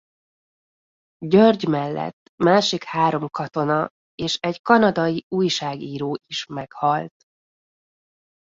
György mellett másik három katona és egy kanadai újságíró is meghalt.